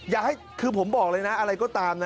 อย่าให้คือผมบอกเลยนะอะไรก็ตามนะ